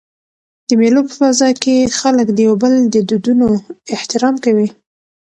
د مېلو په فضا کښي خلک د یو بل د دودونو احترام کوي.